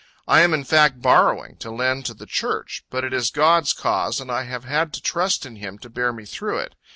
I am in fact borrowing, to lend to the Church. But it is God's cause, and I have had to trust in Him to bear me through it.